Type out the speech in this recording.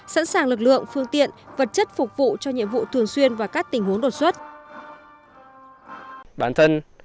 sẵn sàng lực lượng phương tiện vật chất phục vụ cho nhiệm vụ thường xuyên và các tình huống đột xuất